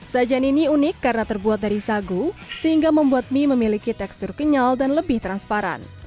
sajan ini unik karena terbuat dari sagu sehingga membuat mie memiliki tekstur kenyal dan lebih transparan